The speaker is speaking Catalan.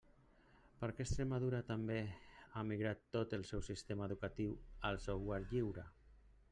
Perquè Extremadura també ha migrat tot el seu sistema educatiu al software lliure.